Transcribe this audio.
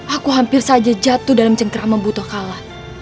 aku hampir saja jatuh dalam cengkeraman butokala